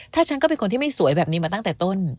ถ้าฉันก็เป็นคนที่ไม่สวยแบบนี้มาตั้งแต่ต้น